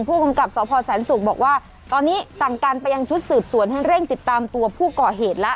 ผู้กำกับสพแสนศุกร์บอกว่าตอนนี้สั่งการไปยังชุดสืบสวนให้เร่งติดตามตัวผู้ก่อเหตุแล้ว